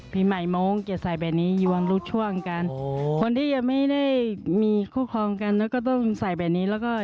ปีใหม่โม้งก็จะใส่แบบนี้อยู่รูปช่วงกัน